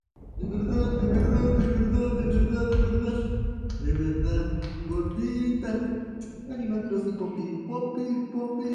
Angels also stresses how Dou's paintings expressed the paragone debate current around that time.